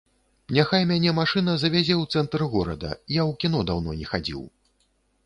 Няхай мяне машына завязе ў цэнтр горада, я ў кіно даўно не хадзіў.